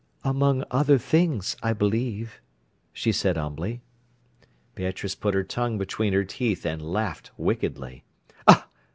"'Among other things,' I believe," she said humbly. Beatrice put her tongue between her teeth and laughed wickedly.